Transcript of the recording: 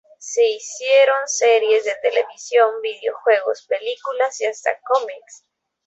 Se hicieron series de televisión, videojuegos, películas y hasta cómics.